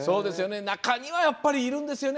中には、やっぱりいるんですよね。